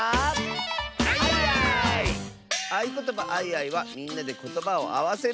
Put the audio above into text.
「あいことばあいあい」はみんなでことばをあわせるあそび！